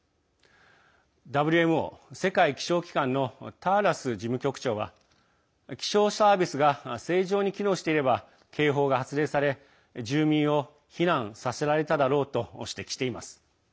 ＷＭＯ＝世界気象機関のターラス事務局長は気象サービスが正常に機能していれば警報が発令され住民を避難させられただろうと指摘しています。